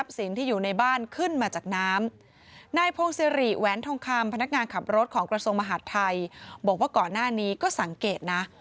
เพราะก่อนหน้านี้ก็สังเกตนะ